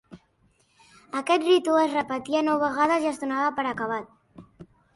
Aquest ritu es repetia nou vegades i es donava per acabat.